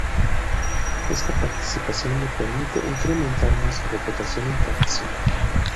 Esta participación le permite incrementar más su reputación internacional.